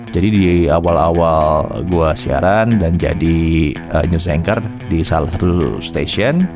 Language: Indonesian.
jadi di awal awal gue siaran dan jadi news anchor di salah satu station